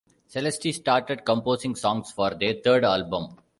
Celesty started composing songs for their third album.